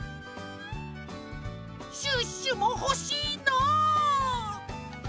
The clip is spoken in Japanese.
シュッシュもほしいな！